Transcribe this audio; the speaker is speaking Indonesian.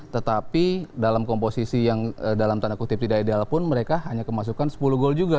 tetapi dalam komposisi yang dalam tanda kutip tidak ideal pun mereka hanya kemasukan sepuluh gol juga